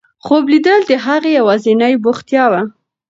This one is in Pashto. خوب لیدل د هغې یوازینۍ بوختیا وه.